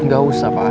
gak usah pak